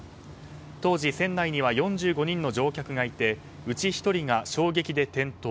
当時、船内には４５人の乗客がいてうち１人が衝撃で転倒。